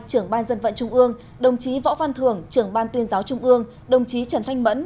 trưởng ban dân vận trung ương đồng chí võ văn thưởng trưởng ban tuyên giáo trung ương đồng chí trần thanh mẫn